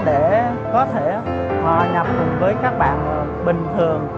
để có thể nhập cùng với các bạn bình thường